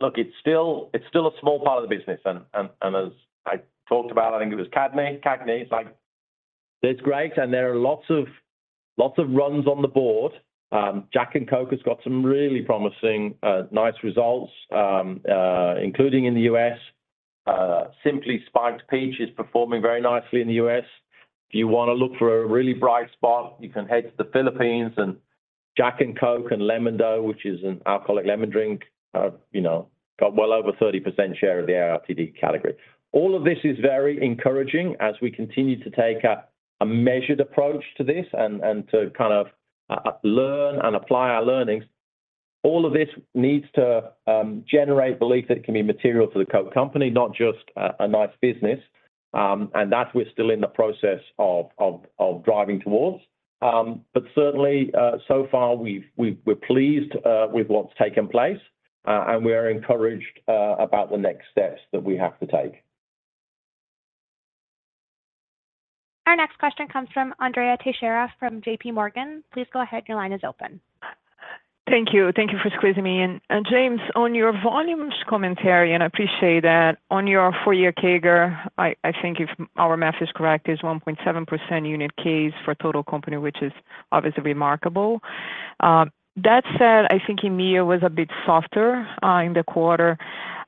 look, it's still a small part of the business, and as I talked about, I think it was CAGNY. There's great and there are lots of runs on the board. Jack and Coke has got some really promising, nice results, including in the U.S. Simply Spiked Peach is performing very nicely in the U.S. If you wanna look for a really bright spot, you can head to the Philippines and Jack and Coke and Lemon-Dou, which is an alcoholic lemon drink, got well over 30% share of the RTD category. All of this is very encouraging as we continue to take a measured approach to this and to kind of learn and apply our learnings. All of this needs to generate belief that it can be material to the Coke company, not just a nice business, and that we're still in the process of driving towards. Certainly, so far, we're pleased with what's taken place. We are encouraged about the next steps that we have to take. Our next question comes from Andrea Teixeira from J.P. Morgan. Please go ahead. Your line is open. Thank you. Thank you for squeezing me in. James, on your volumes commentary, I appreciate that. On your full year CAGR, I think if our math is correct, is 1.7% unit K's for total company, which is obviously remarkable. That said, I think EMEA was a bit softer in the quarter.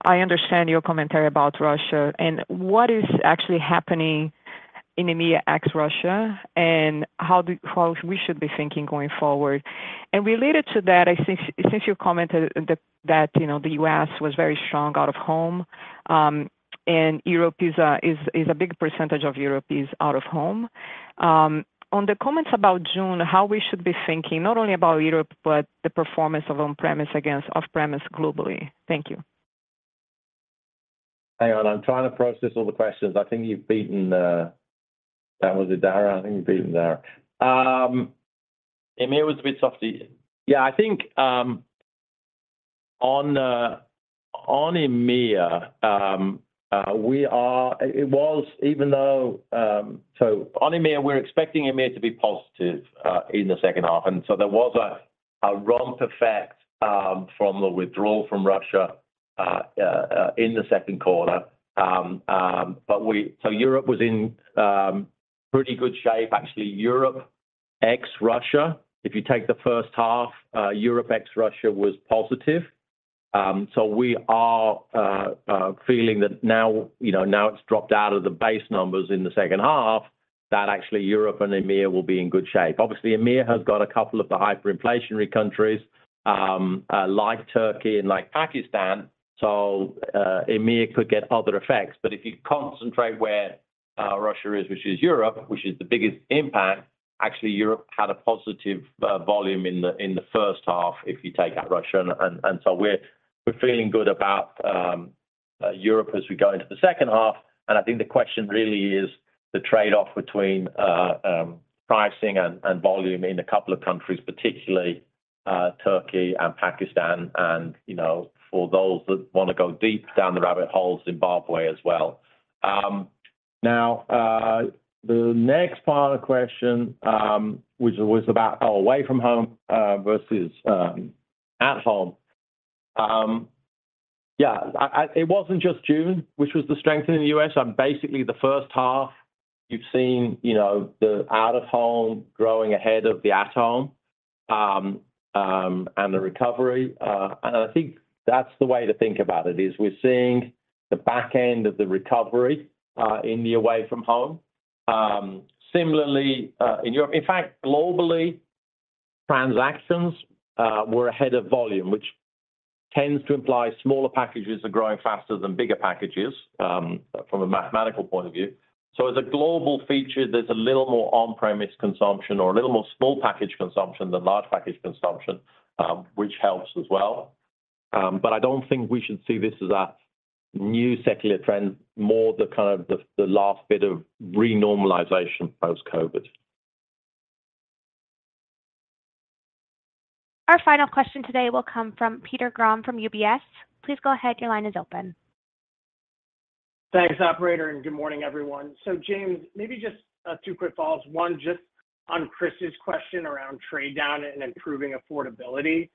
I understand your commentary about Russia and what is actually happening in EMEA, ex-Russia, and how we should be thinking going forward? Related to that, I think since you commented that, you know, the U.S. was very strong out-of-home, and Europe is a big percentage of Europe is out-of-home. On the comments about June, how we should be thinking not only about Europe, but the performance of on-premise against off-premise globally? Thank you. Hang on, I'm trying to process all the questions. I think you've beaten. Was it Dara? I think you've beaten Dara. EMEA was a bit soft. Yeah, I think, on EMEA, it was even though. On EMEA, we're expecting EMEA to be positive in the second half. There was a comp effect from the withdrawal from Russia in the second quarter. Europe was in pretty good shape. Actually, Europe ex Russia, if you take the first half, Europe ex Russia was positive. We are feeling that now, you know, now it's dropped out of the base numbers in the second half, that actually Europe and EMEA will be in good shape. Obviously, EMEA has got a couple of the hyperinflationary countries, like Turkey and like Pakistan, so EMEA could get other effects. But if you concentrate where Russia is, which is Europe, which is the biggest impact, actually, Europe had a positive volume in the first half if you take out Russia. We're feeling good about Europe as we go into the second half. The question really is the trade-off between pricing and volume in a couple of countries, particularly Turkey and Pakistan. You know, for those that want to go deep down the rabbit hole, Zimbabwe as well. Now, the next final question, which was about away from home versus at home. Yeah, it wasn't just June, which was the strength in the U.S. Basically, the first half, you've seen, you know, the out-of-home growing ahead of the at home, and the recovery. I think that's the way to think about it, is we're seeing the back end of the recovery in the away from home. Similarly, in Europe. In fact, globally, transactions were ahead of volume, which tends to imply smaller packages are growing faster than bigger packages from a mathematical point of view. As a global feature, there's a little more on-premise consumption or a little more small package consumption than large package consumption, which helps as well. I don't think we should see this as a new secular trend, more the kind of the last bit of renormalization post-COVID. Our final question today will come from Peter Grom from UBS. Please go ahead. Your line is open. Thanks, operator, and good morning, everyone. James, maybe just two quick follows. One, just on Chris Carey's question around trade down and improving affordability.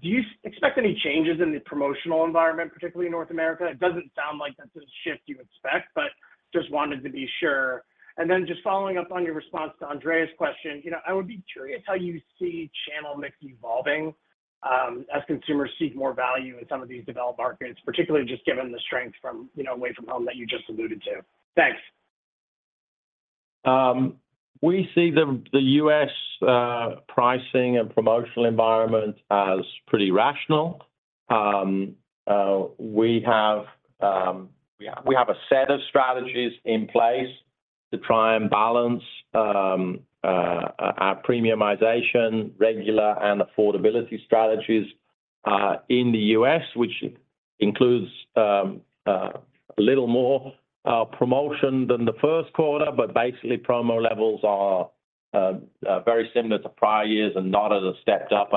Do you expect any changes in the promotional environment, particularly in North America? It doesn't sound like that's a shift you expect, but just wanted to be sure. Just following up on your response to Andrea Teixeira's question, you know, I would be curious how you see channel mix evolving, as consumers seek more value in some of these developed markets, particularly just given the strength from, you know, away from home that you just alluded to. Thanks. We see the U.S. pricing and promotional environment as pretty rational. We have a set of strategies in place to try and balance our premiumization, regular and affordability strategies in the U.S., which includes a little more promotion than the first quarter. Basically, promo levels are very similar to prior years and not as stepped up.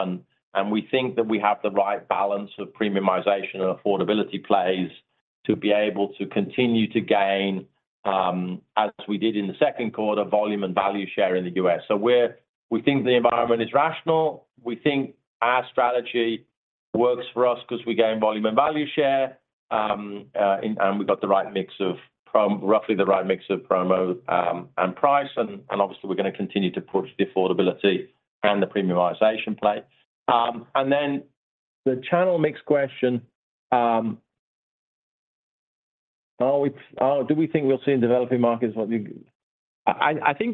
We think that we have the right balance of premiumization and affordability plays to be able to continue to gain, as we did in the second quarter, volume and value share in the U.S. We think the environment is rational. We think our strategy works for us because we gain volume and value share. We've got roughly the right mix of promo and price. Obviously, we're gonna continue to push the affordability and the premiumization play. The channel mix question, do we think we'll see in developing markets? I think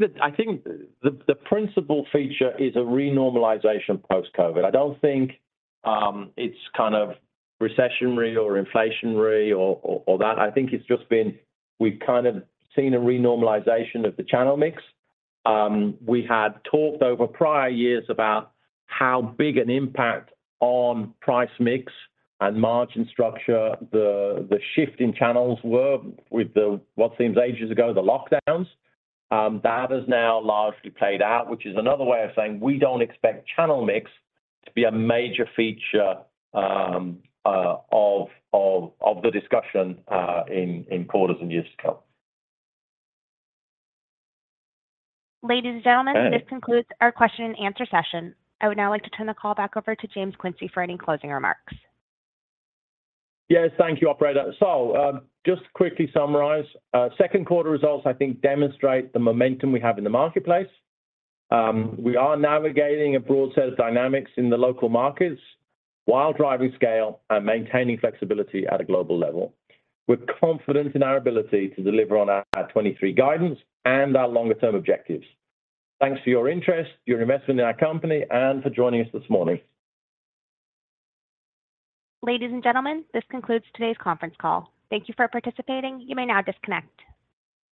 the principle feature is a renormalization post-COVID. I don't think it's kind of recessionary or inflationary or that. I think it's just been we've kind of seen a renormalization of the channel mix. We had talked over prior years about how big an impact on price mix and margin structure, the shift in channels were with the, what seems ages ago, the lockdowns. That is now largely played out, which is another way of saying we don't expect channel mix to be a major feature of the discussion in quarters and years to come. Ladies and gentlemen. Okay. This concludes our question and answer session. I would now like to turn the call back over to James Quincey for any closing remarks. Thank you, operator. Just to quickly summarize, second quarter results, I think, demonstrate the momentum we have in the marketplace. We are navigating a broad set of dynamics in the local markets while driving scale and maintaining flexibility at a global level. We're confident in our ability to deliver on our 2023 guidance and our longer-term objectives. Thanks for your interest, your investment in our company, and for joining us this morning. Ladies and gentlemen, this concludes today's conference call. Thank you for participating. You may now disconnect.